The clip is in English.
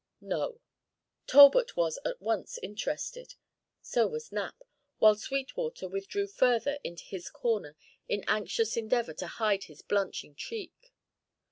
"No." Talbot was at once interested, so was Knapp, while Sweetwater withdrew further into his corner in anxious endeavour to hide his blanching cheek.